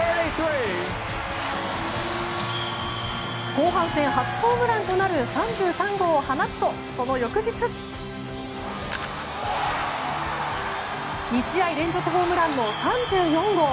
後半戦初ホームランとなる３３号を放つと、その翌日。２試合連続ホームランの３４号！